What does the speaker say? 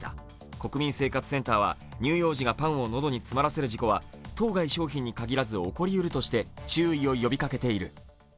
国民生活センターは乳幼児がパンを喉に詰まらせる事故は当該商品に限らず起こりうるとして注意を呼びかけている。